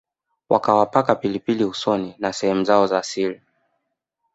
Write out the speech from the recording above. wakawapaka pilipili usoni na sehemu zao za siri